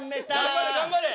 頑張れ頑張れ。